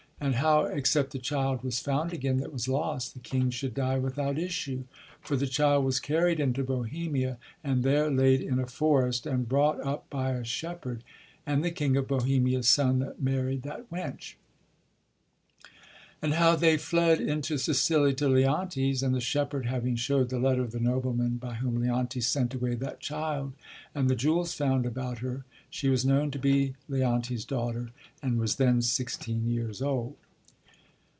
and how except the child was found again that was lost, the king should die without issue : for the child was carried into Bohemia, and there laid in a forest^ and brought up by a shepherd ; and the King of Bohemia's son married that wench ; and how they fled in [to] Sicilia to Leontes, and the shepherd having showed the letter of the nobleman by whom Leontes sent away that child, and the jewels found about her, she was known to be Leontes* daughter, and was then sixteen years old."